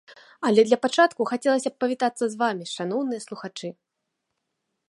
Але для пачатку хацелася б павітацца з вамі, шаноўныя слухачы!